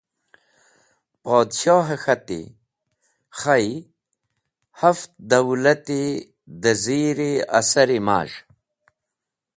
Podhshohe k̃hati: Khay, haft dawlati dẽ zir-e asar-e maz̃h.